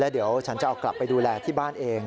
เดี๋ยวฉันจะเอากลับไปดูแลที่บ้านเอง